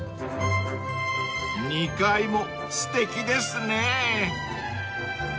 ［２階もすてきですね］